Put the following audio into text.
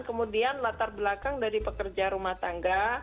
kemudian latar belakang dari pekerja rumah tangga